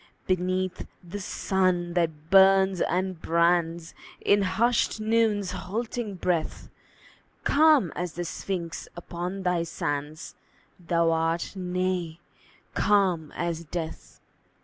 Beneath the sun that burns and brands In hushed Noon's halting breath, Calm as the Sphinx upon thy sands Thou art nay, calm as death.